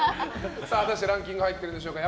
果たしてランキング入ってるでしょうか。